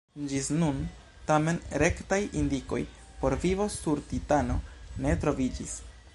Ĝis nun, tamen, rektaj indikoj por vivo sur Titano ne troviĝis.